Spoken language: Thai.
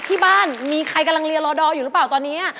ที่บ้านมีใครกำลังเรียนรอดออยู่หรือเปล่าตอนนี้